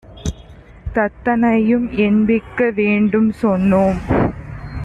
தத்தனையும் எண்பிக்க வேண்டும் சொன்னோம்!.